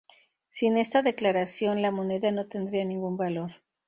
Sin esta declaración, la moneda no tendría ningún valor.